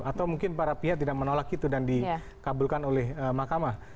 atau mungkin para pihak tidak menolak itu dan dikabulkan oleh mahkamah